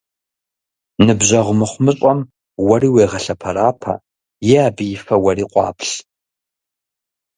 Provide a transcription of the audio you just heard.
Ныбжьэгъу мыхъумыщӀэм уэри уегъэлъэпэрапэ, е абы и фэ уэри къуаплъ.